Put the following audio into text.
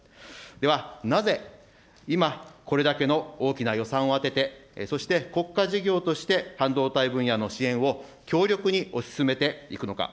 では、なぜ、今、これだけの大きな予算を充てて、そして国家事業として半導体分野の支援を強力に推し進めていくのか。